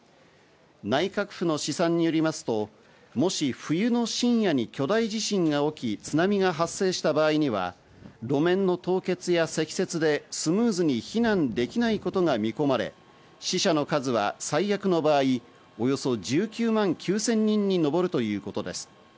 内閣府の試算によりますと、もし冬の深夜に巨大地震が大きい津波が発生した場合には路面の凍結や積雪でスムーズに避難できないことが見込まれ、死者の数は最悪の場合、およそ１９万９０００人にのぼるということです。